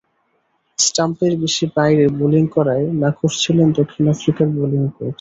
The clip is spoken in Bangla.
স্টাম্পের বেশি বাইরে বোলিং করায় নাখোশ ছিলেন দক্ষিণ আফ্রিকার বোলিং কোচ।